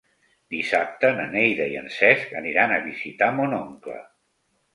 Dissabte na Neida i en Cesc aniran a visitar mon oncle.